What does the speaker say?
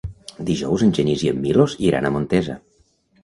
Dijous en Genís i en Milos iran a Montesa.